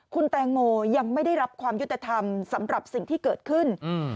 คุณแตงโมยังไม่ได้รับความยุติธรรมสำหรับสิ่งที่เกิดขึ้น